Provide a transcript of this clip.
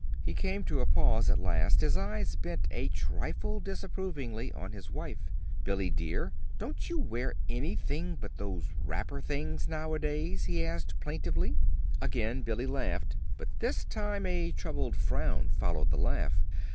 He came to a pause at last, his eyes bent a trifle disapprovingly on his wife. "Billy, dear, don't you wear anything but those wrapper things nowadays?" he asked plaintively. Again Billy laughed. But this time a troubled frown followed the laugh.